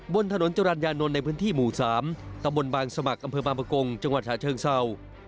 บนถนนจรรยานนท์ในพื้นที่หมู่๓ตำบลบางสมัครอำเภอบางประกงจังหวัดฉาเชิงเศร้า